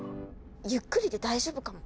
ゆっくりで大丈夫かも。